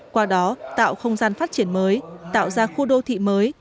qua đó tạo không gian phát triển mới tạo ra khu đô thị mới